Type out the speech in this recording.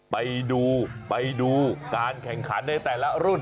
ไปดูไปดูการแข่งขันในแต่ละรุ่น